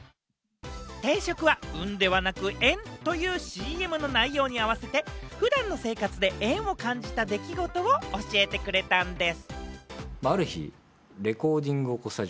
転職は運ではなく縁というＣＭの内容に合わせて、普段の生活で縁を感じた出来事を教えてくれたんです。